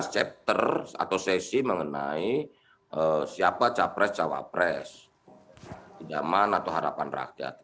sektor atau sesi mengenai siapa capres cawapres di zaman atau harapan rakyat